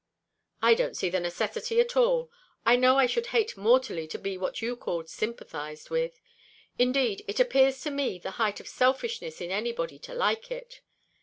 "I don't see the necessity at all. I know I should hate mortally to be what you call sympathised with; indeed, it appears to me the height of selfishness in anybody to like it.